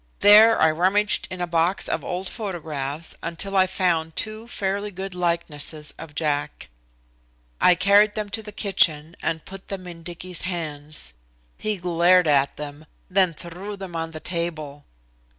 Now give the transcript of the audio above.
There I rummaged in a box of old photographs until I found two fairly good likenesses of Jack. I carried them to the kitchen and put them in Dicky's hands. He glared at them, then threw them on the table.